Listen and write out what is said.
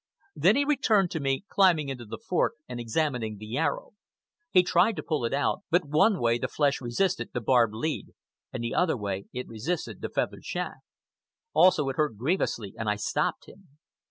Then he returned to me, climbing into the fork and examining the arrow. He tried to pull it out, but one way the flesh resisted the barbed head, and the other way it resisted the feathered shaft. Also, it hurt grievously, and I stopped him.